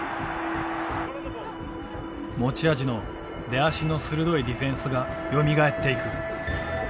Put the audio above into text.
持ち味の出足の鋭いディフェンスがよみがえっていく。